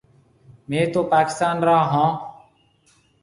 مهيَ تو پاڪستان را هون۔